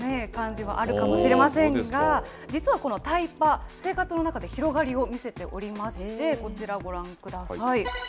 いいのかという感じもあるかもしれませんが、実はタイパ、生活の中で広がりを見せておりまして、こちら、ご覧ください。